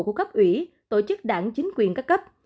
của cấp ủy tổ chức đảng chính quyền các cấp